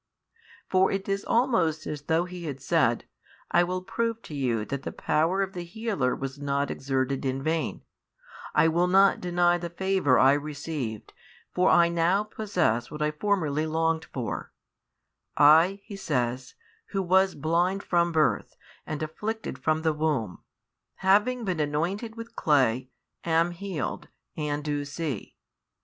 For it is almost as though he said: I will prove to you that the power of the Healer was not exerted in vain; I will not deny the favour I received, for I now possess what I formerly longed for; I, he says, who was blind from birth and afflicted from the womb, having been anointed with clay, am healed, and do see.